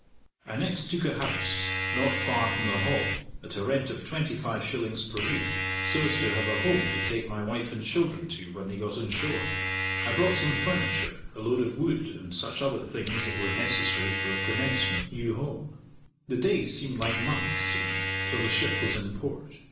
I next took a house, not far from the hall, at a rent of 25s. per week, so as to have a home to take my wife and children to when they got on shore. I bought some furniture, a load of wood, and such other things that were necessary for a commencement new home. The days seemed like months to me till the ship was in Port.